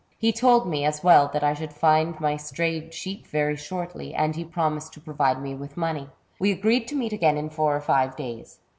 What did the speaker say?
He told me, as well, that I should find my strayed sheep very shortly, and he promised to provide me with money. We agreed to meet again in four or five days.